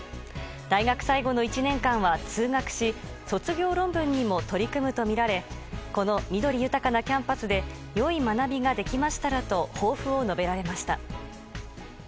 大学最後の１年間は通学し卒業論文にも取り組むとみられこの緑豊かなキャンパスで良い学びができましたらと抱負を述べられました。